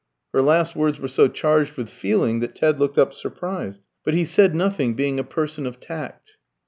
Her last words were so charged with feeling that Ted looked up surprised. But he said nothing, being a person of tact.